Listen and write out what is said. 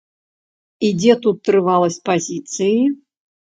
І дзе тут трываласць пазіцыі?